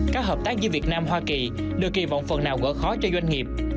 các hợp tác với việt nam hoa kỳ được kỳ vọng phần nào gỡ khói cho doanh nghiệp